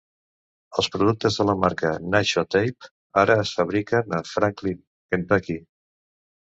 Els productes de la marca Nashua Tape ara es fabriquen a Franklin, Kentucky.